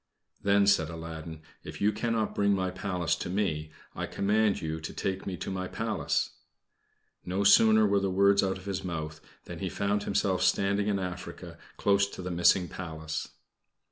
"Then," said Aladdin, "if you cannot bring my Palace to me, I command you to take me to my Palace." No sooner were the words out of his mouth than he found himself standing in Africa, close to the missing Palace.